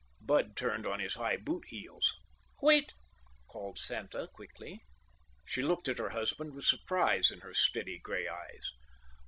Bud turned on his high boot heels. "Wait!" called Santa quickly. She looked at her husband with surprise in her steady gray eyes.